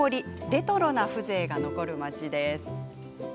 レトロな風情が残る町です。